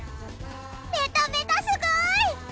メタメタすごい！